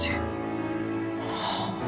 はあ。